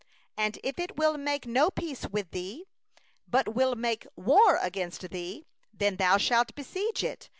12And if it will make no peace with thee, but will make war against thee, then thou shalt besiege it.